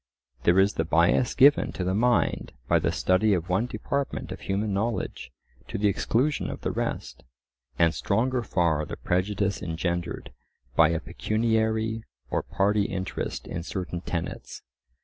There is the bias given to the mind by the study of one department of human knowledge to the exclusion of the rest; and stronger far the prejudice engendered by a pecuniary or party interest in certain tenets.